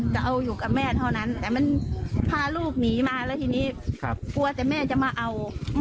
จะเอาอยู่กับแม่เท่านั้นแต่มันพาลูกหนีมาแล้วทีนี้กลัวแต่แม่จะมาเอา